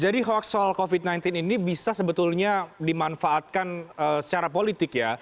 jadi hoax soal covid sembilan belas ini bisa sebetulnya dimanfaatkan secara politik ya